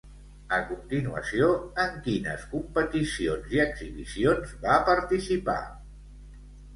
A continuació, en quines competicions i exhibicions va participar?